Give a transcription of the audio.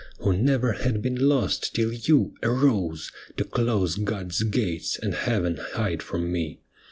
97 Who never had been lost till you arose To close God's gates and Heaven hide from me.